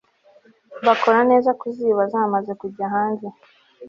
bakora neza kuziba zamaze kujya hanze